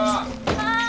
はい。